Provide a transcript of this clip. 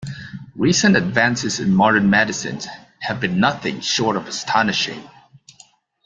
Recent advances in modern medicine have been nothing short of astonishing.